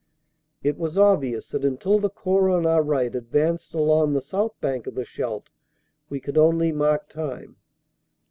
It was obvious that until the Corps on our right advanced along the south bank of the Scheldt we could only mark time.